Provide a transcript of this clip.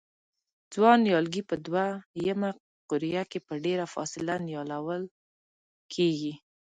ځوان نیالګي په دوه یمه قوریه کې په ډېره فاصله نیالول کېږي.